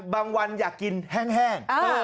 วันอยากกินแห้ง